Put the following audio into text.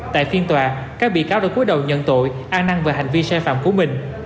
tại phiên tòa các bị cáo đã cuối đầu nhận tội an năng về hành vi sai phạm của mình